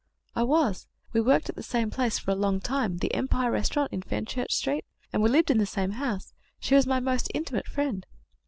"I was. We worked at the same place for a long time the Empire Restaurant in Fenchurch Street and we lived in the same house. She was my most intimate friend."